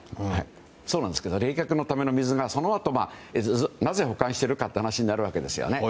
そうなんですけど冷却のための水をそのあと、なぜ保管しているかという話になるわけですよね。